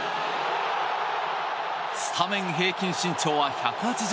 スタメン平均身長は１８８ｃｍ。